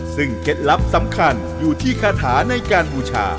ซึ่งเคล็ดลับสำคัญอยู่ที่คาถาในการบูชา